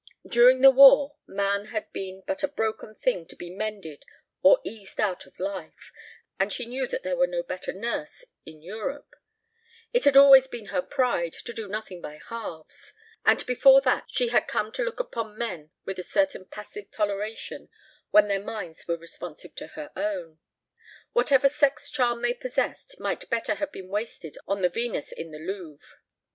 During the war man had been but a broken thing to be mended or eased out of life; and she knew that there was no better nurse in Europe; it had always been her pride to do nothing by halves; and before that she had come to look upon men with a certain passive toleration when their minds were responsive to her own. Whatever sex charm they possessed might better have been wasted on the Venus in the Louvre.